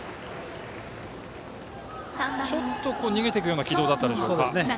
ちょっと、逃げていくような軌道だったでしょうか。